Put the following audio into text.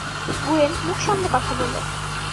Nguyen, মুখ সামলে কথা বলো।